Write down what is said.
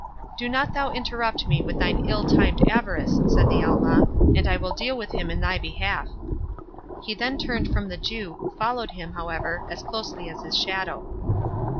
"Do not thou interrupt me with thine ill timed avarice," said the Outlaw, "and I will deal with him in thy behalf." He then turned from the Jew, who followed him, however, as closely as his shadow.